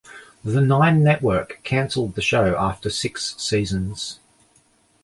The Nine Network cancelled the show after six seasons.